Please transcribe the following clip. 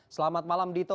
selamat malam dito